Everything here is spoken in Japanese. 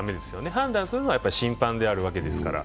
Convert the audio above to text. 判断するのは審判であるわけですから。